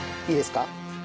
いいですか？